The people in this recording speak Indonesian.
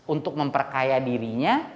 untuk memperkaya dirinya